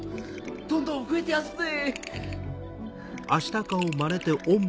どんどん増えてやすぜ！